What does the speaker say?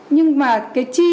nhưng mà cái chi